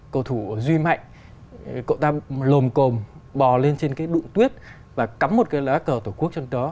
cầu thủ duy mạnh cậu ta lồm cồn bò lên trên cái đụng tuyết và cắm một cái lá cờ tổ quốc trong đó